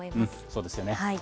そうですよね。